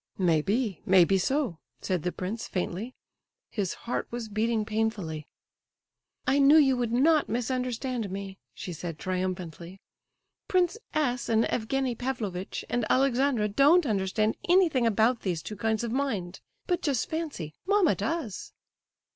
"May be! may be so!" said the prince, faintly; his heart was beating painfully. "I knew you would not misunderstand me," she said, triumphantly. "Prince S. and Evgenie Pavlovitch and Alexandra don't understand anything about these two kinds of mind, but, just fancy, mamma does!"